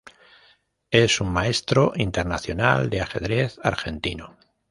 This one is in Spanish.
Es un Maestro Internacional de ajedrez argentino.